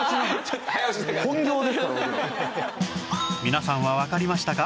皆さんはわかりましたか？